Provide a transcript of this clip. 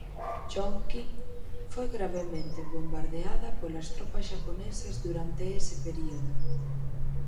Chongqing foi gravemente bombardeada polas tropas xaponesas durante ese período.